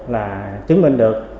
là chứng minh được